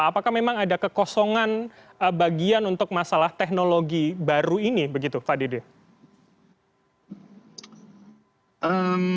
apakah memang ada kekosongan bagian untuk masalah teknologi baru ini begitu pak dede